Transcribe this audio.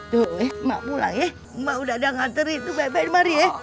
tuh emak pulang ya emak udah ada nganterin itu bayi bayi mari ya